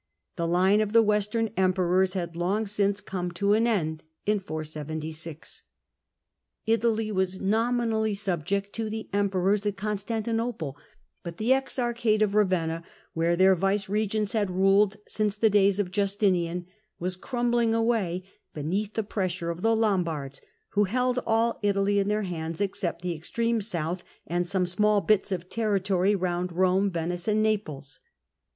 The line of Origin of the Western emperors had long since come b^^ the to an end (476). Italy was nominally sub tn£u^^^ ject to the emperors at Constantinople, but soTerdgns the oxarchate of Ravenna where their vice gerents had ruled since the days of Justinian, was crumbling away beneath the pressure of the Lombards, who held all Italy in their hands except the extreme south, and some small bits of territory round Rome, Venice, and Naples.